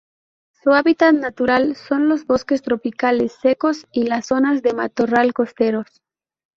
Su hábitat natural son los bosques tropicales secos y las zonas de matorral costeros.